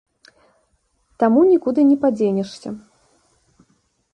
Таму нікуды не падзенешся.